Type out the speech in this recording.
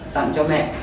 tặng cho mẹ